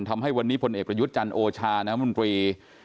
ทำให้วันนี้พลเอกประยุทธ์จันทร์โอชาน้ำมนตรี